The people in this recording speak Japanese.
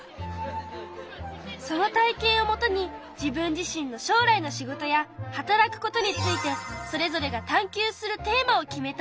その体験をもとに自分自身のしょうらいの仕事や働くことについてそれぞれが探究するテーマを決めたんだ。